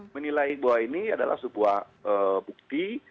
menilai bahwa ini adalah sebuah bukti